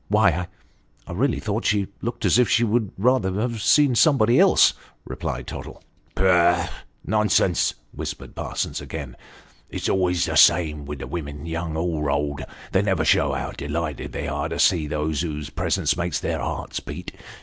" Why I really thought she looked as if she would rather have seen somebody else," replied Tottle. " Pooh, nonsense !" whispered Parsons again " it's always the way 346 Sketches by Boz, with the women, young or old. They never show how delighted they are to see those whose presence makes their hearts beat.